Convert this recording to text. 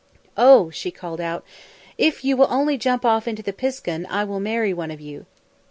"Oh," she called out, "if you will only jump off into the piskun I will marry one of you."